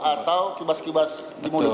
atau kibas kibas di mulut